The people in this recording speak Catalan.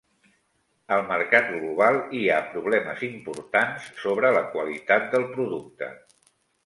Al mercat global, hi ha problemes importants sobre la qualitat del producte.